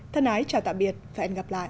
thân ái chào tạm biệt và hẹn gặp lại